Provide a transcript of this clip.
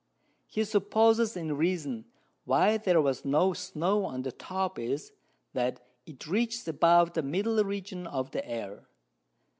He supposes the Reason why there was no Snow on the Top is, that it reaches above the middle Region of the Air.